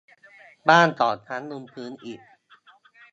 บ้านสองชั้นบนพื้นอิฐ